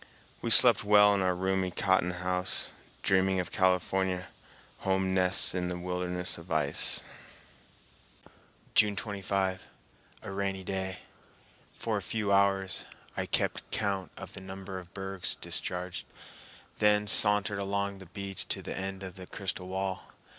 We slept well in our roomy cotton house, dreaming of California home nests in the wilderness of ice. June 25. A rainy day. For a few hours I kept count of the number of bergs discharged, then sauntered along the beach to the end of the crystal wall.